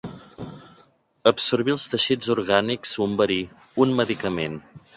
Absorbir els teixits orgànics un verí, un medicament.